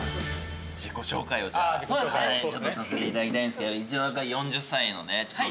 自己紹介をじゃあちょっとさせていただきたいんですけど一応４０歳のねちょっと年長の私から。